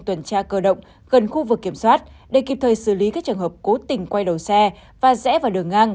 tuần tra cơ động gần khu vực kiểm soát để kịp thời xử lý các trường hợp cố tình quay đầu xe và rẽ vào đường ngang